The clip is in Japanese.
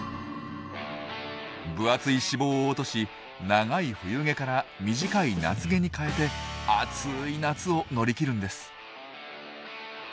分厚い脂肪を落とし長い冬毛から短い夏毛に換えて暑い夏を乗り切るんです。